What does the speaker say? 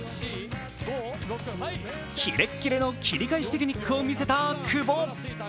キレッキレの切り返しテクニックを見せた久保。